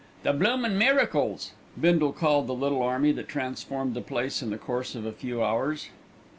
"The bloomin' miracles," Bindle called the little army that transformed the place in the course of a few hours.